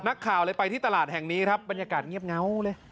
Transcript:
นักข่าวเลยไปที่ตลาดแห่งนี้ครับบรรยากาศเงียบเงาเลย